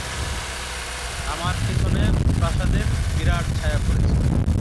আমার পেছনে প্রাসাদের বিরাট ছায়া পড়েছে।